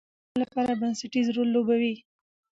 پامیر د افغانستان د ټولنې لپاره بنسټيز رول لوبوي.